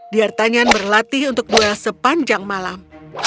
diatanyan berlatih untuk duel sepanjang malam